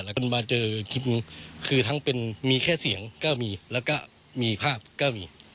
แล้วก็มาเจอคลิปนี้คือทั้งเป็นมีแค่เสียงก็มีแล้วก็มีภาพก็มี